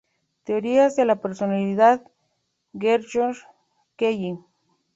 Teorías de la Personalidad: George Kelly.